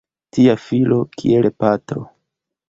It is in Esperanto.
Tia filo kiel patro!